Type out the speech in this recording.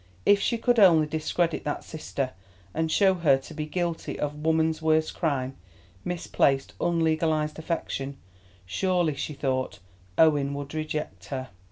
If she could only discredit that sister and show her to be guilty of woman's worst crime, misplaced, unlegalised affection, surely, she thought, Owen would reject her.